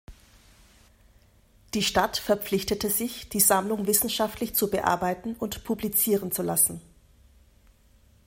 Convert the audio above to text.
Die Stadt verpflichtete sich, die Sammlung wissenschaftlich zu bearbeiten und publizieren zu lassen.